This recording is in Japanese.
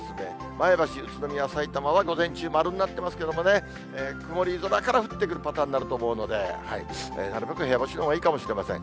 前橋、宇都宮、さいたまは午前中、丸になってますけれどもね、曇り空から降ってくるパターンになると思うので、なるべく部屋干しのほうがいいかもしれません。